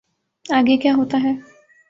آگے کیا ہوتا ہے۔